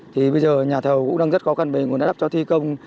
thì bây giờ nhà thầu cũng đang rất khó khăn bình cũng đã đắp cho thi công